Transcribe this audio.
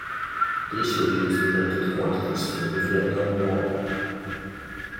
These were used in limited quantities during the Vietnam War.